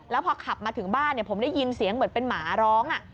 แล้วพอขับมาถึงบ้านผมได้ยินเสียงเหมือนเป็นหมาร้อง